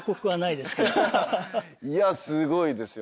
いやすごいですよ